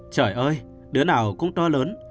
trời ơi đứa nào cũng to lớn